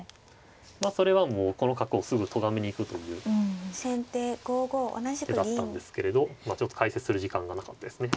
まあそれはもうこの角をすぐとがめに行くという手だったんですけれどちょっと解説する時間がなかったですね。